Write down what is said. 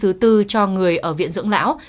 thứ tư cho người ở viện dưỡng lão